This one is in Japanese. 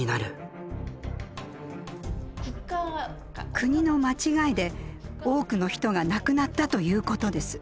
国の間違いで多くの人が亡くなったということです。